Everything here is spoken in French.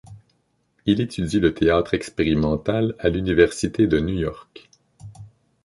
Il étudie le théâtre expérimental à l'université de New York.